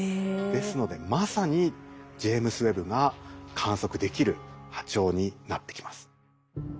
ですのでまさにジェイムズ・ウェッブが観測できる波長になってきます。